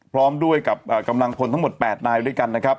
พร้อมด้วยกับกำลังพลทั้งหมด๘นายด้วยกันนะครับ